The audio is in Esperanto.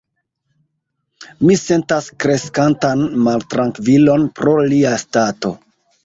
Mi sentas kreskantan maltrankvilon pro lia stato.